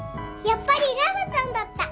やっぱり羅羅ちゃんだった。